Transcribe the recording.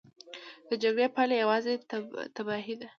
د جګړې پایله یوازې تباهي ده.